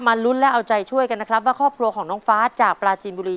ลุ้นและเอาใจช่วยกันนะครับว่าครอบครัวของน้องฟ้าจากปลาจีนบุรี